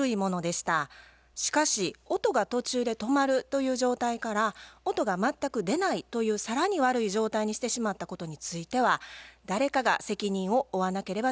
しかし音が途中で止まるという状態から音が全く出ないという更に悪い状態にしてしまったことについては誰かが責任を負わなければならないでしょう。